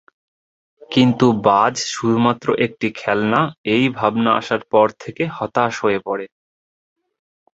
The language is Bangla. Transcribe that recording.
কিন্তু বাজ শুধুমাত্র একটি খেলনা এই ভাবনা আসার পর থেকে হতাশ হয়ে পরে।